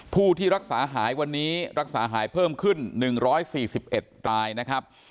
ผู้ที่รักษาหายวันนี้รักษาหายเพิ่มขึ้น๑๔๑รายนะครับ